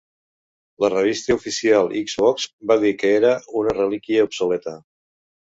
La revista Official Xbox va dir que era "una relíquia obsoleta".